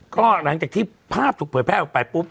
ก็หลังจากที่ภาพถูกเผยแพร่ออกไปปุ๊บ